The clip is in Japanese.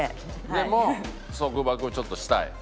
でも束縛をちょっとしたい？